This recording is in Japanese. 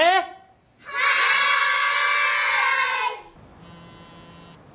はい。